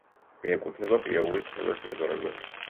მიეკუთვნება პიაუის ჩრდილოეთ მეზორეგიონს.